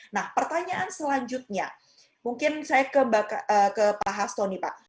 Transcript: nah pertanyaan selanjutnya mungkin saya ke pak hasto nih pak